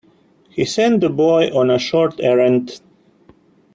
He sent the boy on a short errand.